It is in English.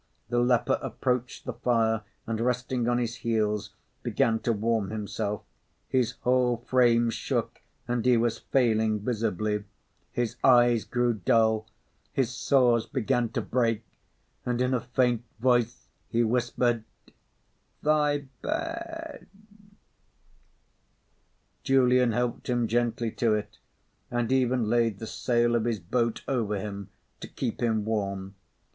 The leper approached the fire and, resting on his heels, began to warm himself; his whole frame shook and he was failing visibly; his eyes grew dull, his sores began to break, and in a faint voice he whispered: "Thy bed!" Julian helped him gently to it, and even laid the sail of his boat over him to keep him warm.